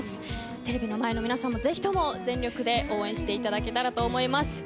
テレビの前の皆さんもぜひとも全力で応援していただけたらと思います。